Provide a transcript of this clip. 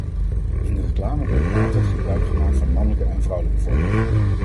In de reclame werd er altijd gebruik gemaakt van mannelijke en vrouwelijke vormen.